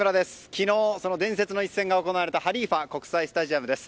昨日、伝説の一戦が行われたハリーファ国際スタジアムです。